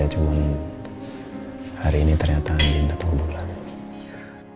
ya cuman hari ini ternyata andin udah tunggu lama